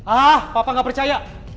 ah papa gak percaya